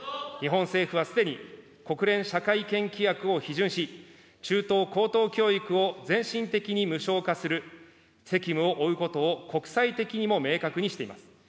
日本政府はすでに、国連社会権規約を批准し、中等・高等教育を漸進的に無償化する責務を負うことを国際的にも明確にしています。